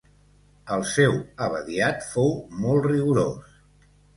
El seu abadiat fou molt rigorós.